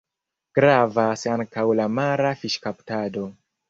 Gravas ankaŭ la mara fiŝkaptado.